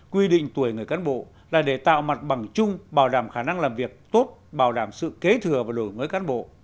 quy định tuổi người cán bộ là để tạo mặt bằng chung bảo đảm khả năng làm việc tốt bảo đảm sự kế thừa và đổi mới cán bộ